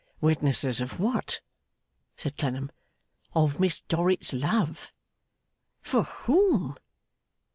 'Witnesses of what?' said Clennam. 'Of Miss Dorrit's love.' 'For whom?